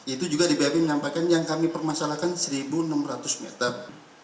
itu juga di bap menyampaikan yang kami permasalahkan seribu enam ratus meter